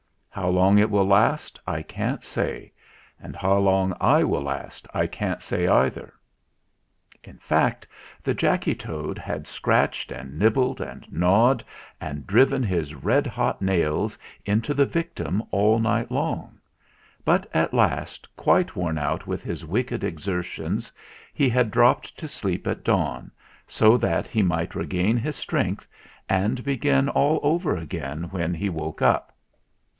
How long it will last, I can't say; and how long I shall last I can't say either." In fact, the Jacky Toad had scratched and nibbled and gnawed and driven his red hot nails into the victim all night long; but at last, quite worn out with his wicked exertions, he had dropped to sleep at dawn, so that he might 216 THE GALLOPER'S SCHOOLING 217 regain his strength and begin all over again when he woke up.